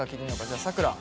じゃあさくら。